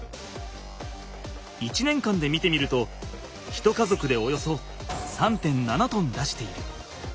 １年間で見てみると１家族でおよそ３．７トン出している。